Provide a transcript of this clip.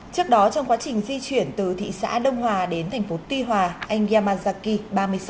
trước đó trong quá trình di chuyển từ thị xã đông hòa đến tp tuy hòa anh yamazaki